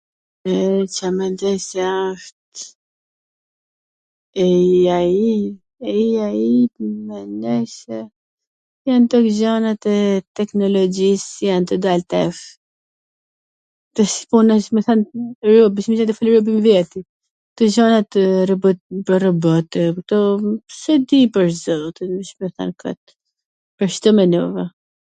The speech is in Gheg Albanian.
E, Ca mendoj qw asht Ei Ai? Ei Ai mendoj se jan kto gjanat e teknologjis qw jan tu dal tash ... kto gjanat robote, e kto, s e di pwr zotin, Ca me than kot, kwshtu mendova